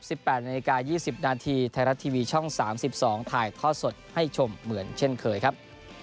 ๑๘นาฬิกา๒๐นาทีไทยรัฐทีวีช่อง๓๒ถ่ายทอดสดให้ชมเหมือนเช่นเคยครับ